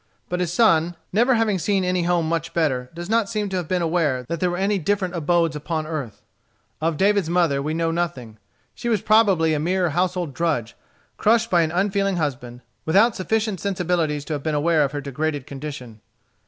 But his son, never having seen any home much better, does not seem to have been aware that there were any different abodes upon earth. Of David's mother we know nothing. She was probably a mere household drudge, crushed by an unfeeling husband, without sufficient sensibilities to have been aware of her degraded condition.